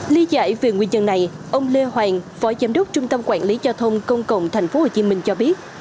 lý giải về nguyên nhân này ông lê hoàng phó giám đốc trung tâm quản lý giao thông công cộng tp hcm cho biết